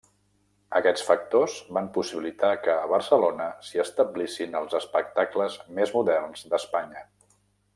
Aquests factors van possibilitar que a Barcelona s'hi establissin els espectacles més moderns d'Espanya.